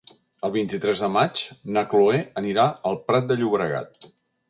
El vint-i-tres de maig na Chloé anirà al Prat de Llobregat.